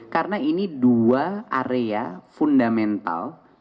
karena ini dua area fundamental